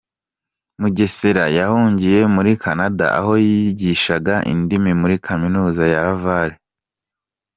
Mugesera yahungiye muri Canada, aho yigishaga indimi muri Kaminuza ya Laval.